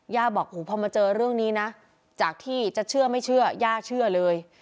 บอกพอมาเจอเรื่องนี้นะจากที่จะเชื่อไม่เชื่อย่าเชื่อเลย